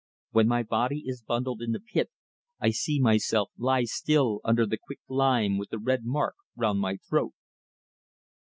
When the body is bundled in the pit, I see myself lie still under the quick lime with the red mark round my throat."